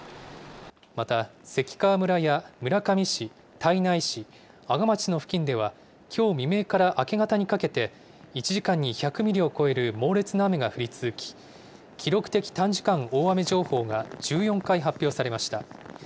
また関川村や村上市、胎内市、阿賀町の付近では、きょう未明から明け方にかけて、１時間に１００ミリを超える猛烈な雨が降り続き、記録的短時間大雨情報が１４回発表されました。